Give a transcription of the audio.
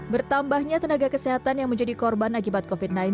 bertambahnya tenaga kesehatan yang menjadi korban akibat covid sembilan belas